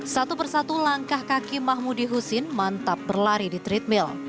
satu persatu langkah kaki mahmudi husin mantap berlari di treat mill